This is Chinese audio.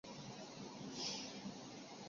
木栓形成层为负责周皮发展的分生组织层。